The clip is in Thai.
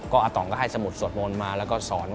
อาตองก็ให้สมุดสวดมนต์มาแล้วก็สอน